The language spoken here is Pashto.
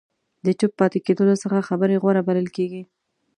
د چوپ پاتې کېدلو څخه خبرې غوره بلل کېږي.